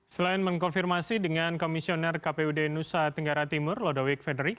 selain mengkonfirmasi dengan komisioner kpud nusa tenggara timur lodowik federick